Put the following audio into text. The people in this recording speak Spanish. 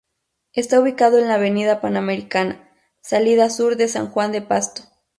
Está ubicado en la avenida panamericana, salida sur de San Juan de Pasto.